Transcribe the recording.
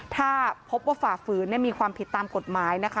ถ้าพบว่าฝ่าฝืนมีความผิดตามกฎหมายนะคะ